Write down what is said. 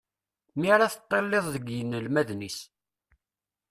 Mi ara teṭṭileḍ deg yinelmaden-is.